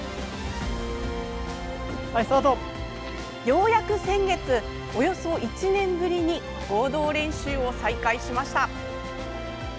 ようやく先月、およそ１年ぶりに合同練習を再開しました。